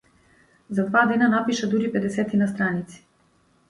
За два дена напиша дури педесетина страници.